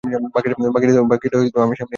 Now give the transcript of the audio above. বাকিটা আমি সামলিয়ে নেবো।